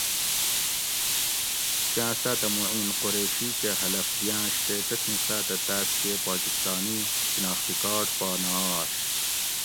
کاۤں ساۤتہۤ معین قریشی کہ حلف دِیاۤںش تے تتھیں ساۤتہ تاۤسکے پاکستانی شناختی کارڈ پا نہ آش